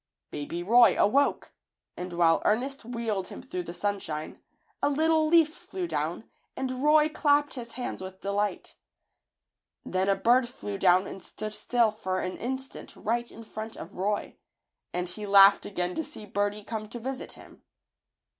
Baby Roy awoke, and while Ernest wheeled him through the sunshine, a little leaf flew down and Roy clapped his hands with delight. Then a bird flew down and stood still for an instant right in front of Roy, and he laughed again to see birdie come to visit him.